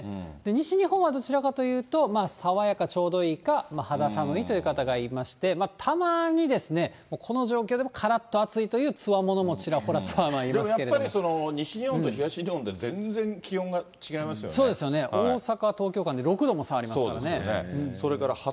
西日本はどちらかというと、爽やか、ちょうどいいか、肌寒いという方がいまして、たまに、この状況でもからっと暑いというつわものもちらほらとはいますけでもやっぱり、西日本と東日そうですよね、大阪、東京間そうですよね。